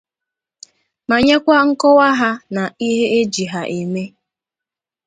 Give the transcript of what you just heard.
ma nyekwa nkọwa ha nà ihe e ji ha eme